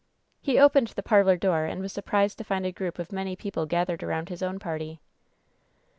He opened the parlor door, and was surprised to find a group of many people gathered around his own party.